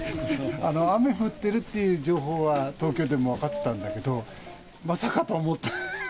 雨降ってるっていう情報は東京でも分かってたんだけど、まさかと思った。